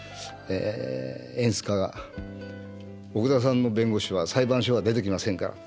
演出家が「奥田さんの弁護士は裁判所が出てきませんから」。